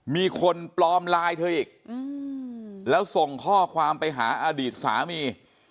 มีคนปลอมไลน์เธออีกแล้วส่งข้อความไปหาอดีตสามี